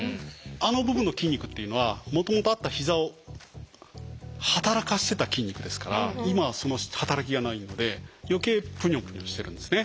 あの部分の筋肉っていうのはもともとあった膝を働かしてた筋肉ですから今はその働きがないので余計プニョプニョしてるんですね。